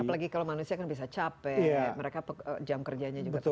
apalagi kalau para manusia bisa capek mereka jaman kerjanya juga terbatas